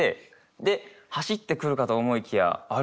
で走ってくるかと思いきや歩いてくるとか。